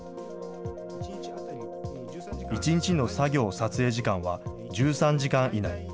１日の作業・撮影時間は１３時間以内。